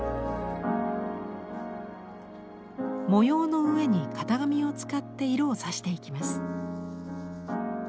模様の上に型紙を使って色をさしていきます。